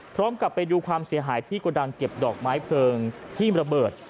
กลับไปดูความเสียหายที่กระดังเก็บดอกไม้เพลิงที่ระเบิด